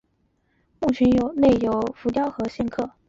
墓群内有浮雕和线刻。